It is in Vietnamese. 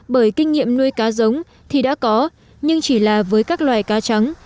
bởi kinh nghiệm nuôi cá giống thì đã có nhưng chỉ là với các loài cá trắng